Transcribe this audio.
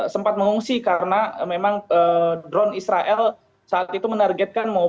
sempat mengungsi karena memang drone israel saat itu menargetkan